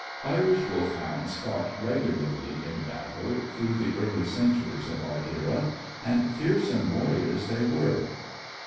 Irish Wolfhounds fought regularly in battle, through the early centuries of our era; and fearsome warriors they were.